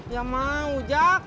ya mau jak